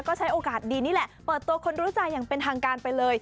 ก็ใช้โอกาสดีนี่แหละเปิดตัวคนรู้ใจอย่างเป็นทางการไปเลย